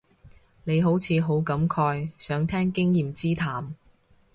你好似好感慨，想聽經驗之談